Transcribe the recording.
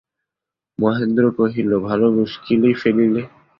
মহেন্দ্র কহিল, ভালো মুশকিলেই ফেলিলে।